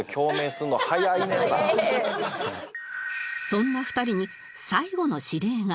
そんな２人に最後の指令が